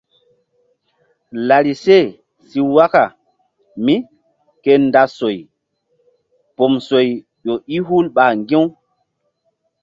Larise si waka mí ke nda soy pom soy ƴo i hul ɓa ŋgi̧-u.